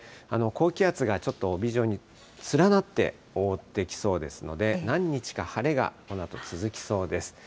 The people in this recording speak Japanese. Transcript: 高気圧がちょっと帯状に連なって覆ってきそうですので、何日か晴れがこのあと続きそうです。